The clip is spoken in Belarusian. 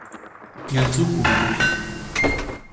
Я з духу выбіўся.